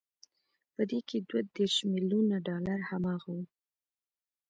په دې کې دوه دېرش ميليونه ډالر هماغه وو